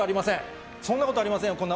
そんなことありません。